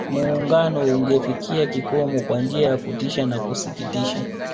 Muungano ungefikia kikomo kwa njia ya kutisha na kusikitisha